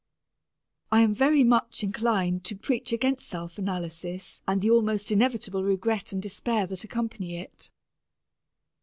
I am very much inclined to preach against self analysis and the almost inevitable regret and despair that accompany it.